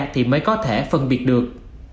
thì mới có thể phân biệt được